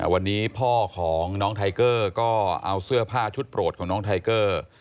วันนี้พ่อของน้องไทเกอร์ก็เอาเสื้อผ้าชุดโปรดของน้องไทเกอร์